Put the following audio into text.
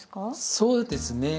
そうですね。